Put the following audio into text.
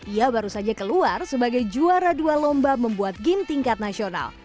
ia baru saja keluar sebagai juara dua lomba membuat game tingkat nasional